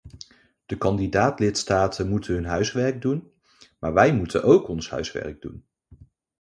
De kandidaat-lidstaten moeten hun huiswerk doen, maar wij moeten ook ons huiswerk doen.